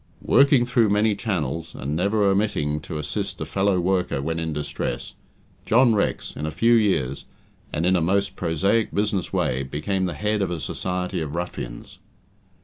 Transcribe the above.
Working through many channels, and never omitting to assist a fellow worker when in distress, John Rex, in a few years, and in a most prosaic business way, became the head of a society of ruffians.